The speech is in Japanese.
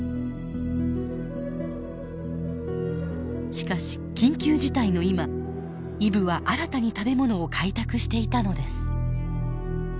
しかし緊急事態の今イブは新たに食べ物を開拓していたのです。